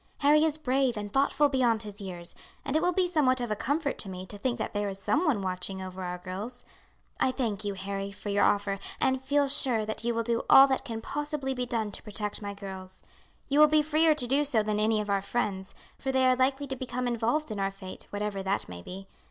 "Harry is brave and thoughtful beyond his years, and it will be somewhat of a comfort to me to think that there is some one watching over our girls. I thank you, Harry, for your offer, and feel sure that you will do all that can possibly be done to protect my girls. You will be freer to do so than any of our friends, for they are likely to become involved in our fate, whatever that may be.